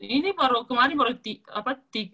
ini baru kemaren baru cek tiket